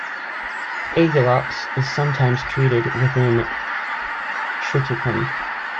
"Aegilops" is sometimes treated within "Triticum".